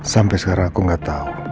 sampai sekarang aku gak tau